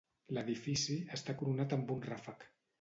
L'edifici està coronat amb un ràfec.